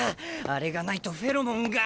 あれがないとフェロモンが。